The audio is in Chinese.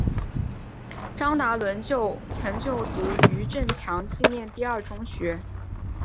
张达伦曾就读余振强纪念第二中学。